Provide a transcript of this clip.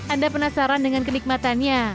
anda penasaran dengan kenikmatannya